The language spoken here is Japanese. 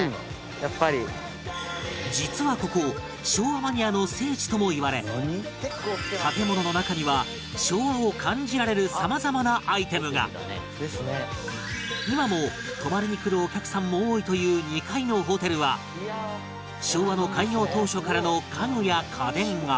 実はここ昭和マニアの聖地ともいわれ建物の中には昭和を感じられる今も泊まりに来るお客さんも多いという２階のホテルは昭和の開業当初からの家具や家電が